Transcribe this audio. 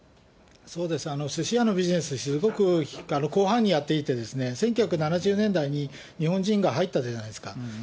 そうです、すし屋のビジネス、すごく広範囲にやっていて、１９７０年代に日本人が入ったじゃないですか。